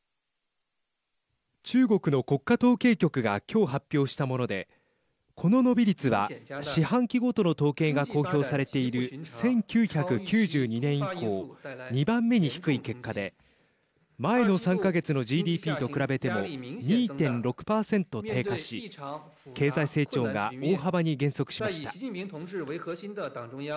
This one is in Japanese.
中国の国家統計局がきょう発表したものでこの伸び率は、四半期ごとの統計が公表されている１９９２年以降２番目に低い結果で前の３か月のＧＤＰと比べても２．６％低下し経済成長が大幅に減速しました。